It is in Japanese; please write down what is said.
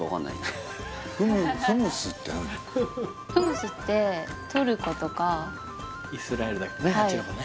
フムスってトルコとかイスラエルだっけね